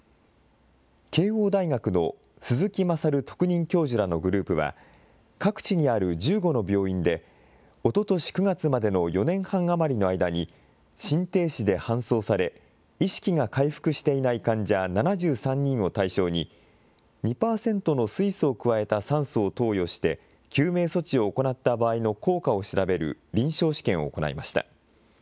慶応大学の鈴木昌特任教授らのグループは、各地にある１５の病院で、おととし９月までの４年半余りの間に心停止で搬送され、意識が回復していない患者７３人を対象に、２％の水素を加えた酸素を投与して救命措置を行った場合の効果を調べる臨床試験を行いました。